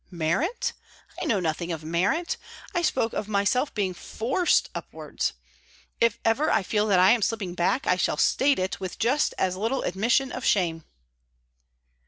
"Merit? I know nothing of merit. I spoke of myself being forced upwards. If ever I feel that I am slipping back, I shall state it with just as little admission of shame."